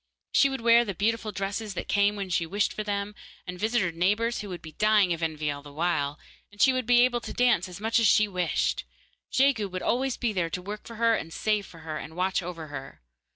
She would wear the beautiful dresses that came when she wished for them, and visit her neighbours, who would be dying of envy all the while, and she would be able to dance as much as she wished. Jegu would always be there to work for her and save for her, and watch over her.